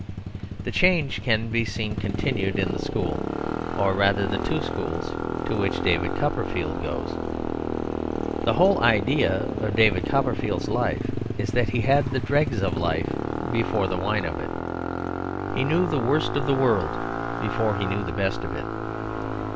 The change can be seen continued in the school, or rather the two schools, to which David Copperfield goes. The whole idea of David Copperfield's life is that he had the dregs of life before the wine of it. He knew the worst of the world before he knew the best of it.